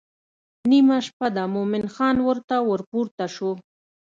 نیمه شپه ده مومن خان ورته ورپورته شو.